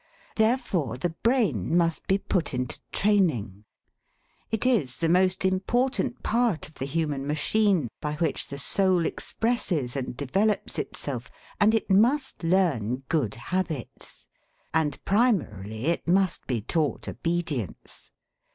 Therefore the brain must be put into training. It is the most important part of the human machine by which the soul expresses and develops itself, and it must learn good habits. And primarily it must be taught obedience.